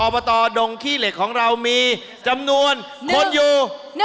บตดงขี้เหล็กของเรามีจำนวนคนอยู่